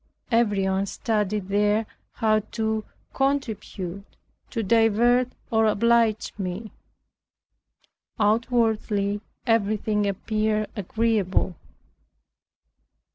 Everyone studied there how to contribute to divert or oblige me. Outwardly everything appeared agreeable.